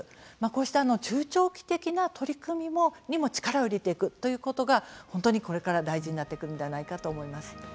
こうした中長期的な取り組みにも力を入れていくということが本当にこれから大事になってくるんではないかと思います。